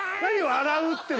「笑う」って。